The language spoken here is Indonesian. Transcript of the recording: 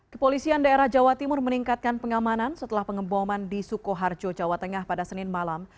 kepolisian daerah jawa timur meningkatkan pengamanan setelah pengeboman di sukoharjo jawa tengah pada senin malam